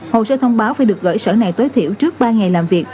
hồ sơ thông báo phải được gửi sở này tối thiểu trước ba ngày làm việc